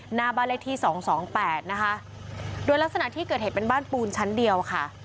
หน้าบ้านเลขที่สองสองแปดนะคะโดยลักษณะที่เกิดเหตุเป็นบ้านปูนชั้นเดียวค่ะ